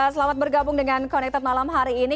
selamat bergabung dengan connected malam hari ini